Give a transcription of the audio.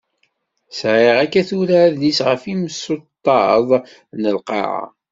Sεiɣ akka tura adlis ɣef yimsuṭṭaḍ n lqaεa.